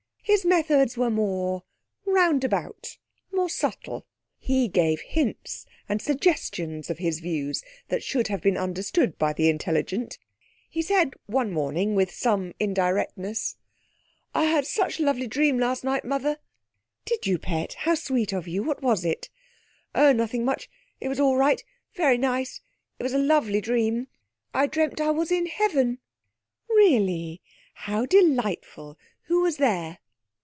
His methods were more roundabout, more subtle. He gave hints and suggestions of his views that should have been understood by the intelligent. He said one morning with some indirectness: 'I had such a lovely dream last night, Mother.' 'Did you, pet? How sweet of you. What was it?' 'Oh, nothing much. It was all right. Very nice. It was a lovely dream. I dreamt I was in heaven.' 'Really! How delightful. Who was there?'